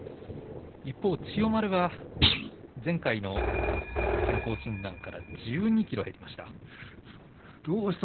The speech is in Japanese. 一方の千代丸は前回の健康診断から１２ｋｇ減りました。